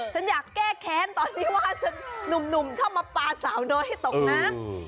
ฉันอยากแก้แค้นตอนที่ว่าหนุ่มชอบมาปลาสาวน้อยให้ตกน้ำ